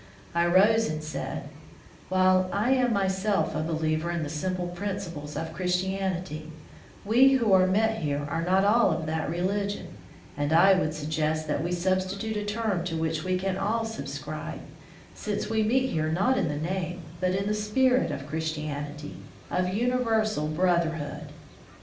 I rose and said, "While I am myself a believer in the simple principles of Chris tianity, we who are met here are not all of that religion, and I would suggest that we substitute a term to which we can all sub scribe, since we meet here not in the name, but in the spirit of Christianity, of universal brotherhood."